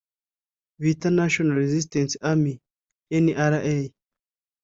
bita national resistance army (nra).